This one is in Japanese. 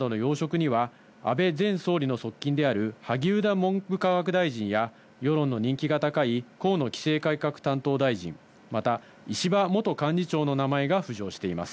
幹事長や官房長官などの要職には安倍前総理の側近である萩生田文部科学大臣や、世論の人気が高い河野規制改革担当大臣、また石破元幹事長の名前が浮上しています。